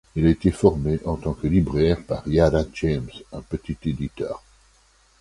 Il a été formé en tant que libraire par Yarath James, un petit éditeur.